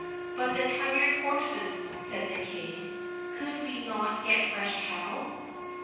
"But the tired horses," said the King—"could we not get fresh cattle?"